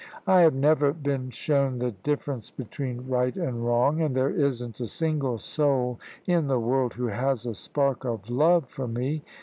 I have never been shown the difference between right and wrong, and there isn't a single soul in the world who has a spark of love for me.